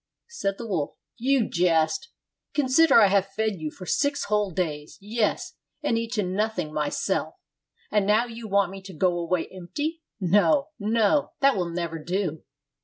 Said the wolf, "You jest! Consider I have fed you for six whole days, yes, and eaten nothing myself, and now you want me to go away empty? No, no, that will never do!